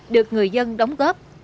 được người dân đóng góp